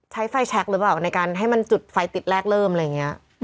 ใช้ไฟแชคหรือเปล่าในการให้มันจุดไฟติดแรกเริ่มอะไรอย่างนี้